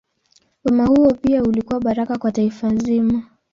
Wema huo pia ulikuwa baraka kwa taifa zima.